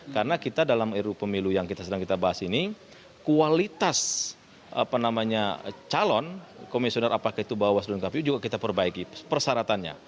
karena kita dalam ru pemilu yang sedang kita bahas ini kualitas calon komisioner apakah itu bahwa sudah dikapi juga kita perbaiki persaratannya